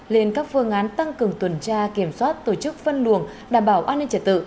lên các phương án tăng cường tuần tra kiểm soát tổ chức phân luồng đảm bảo an ninh trật tự